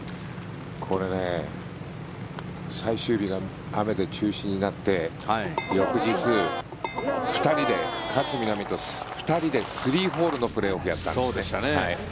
これね、最終日が雨で中止になって翌日、２人で勝みなみと２人で３ホールのプレーオフをやったんですね。